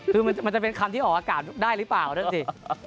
คือมันจะเป็นคำที่ออกอากาศได้หรือเปล่านั่นสิ